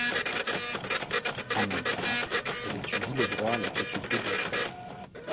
En même temps, elle étudie le droit à la Faculté d'Assas.